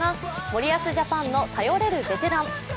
森保ジャパンの頼れるベテラン